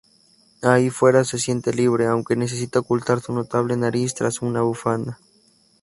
Ahí fuera se siente libre, aunque necesita ocultar su notable nariz tras una bufanda.